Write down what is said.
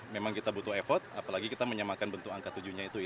memang kita butuh effort apalagi kita menyamakan bentuk angka tujuh nya itu ya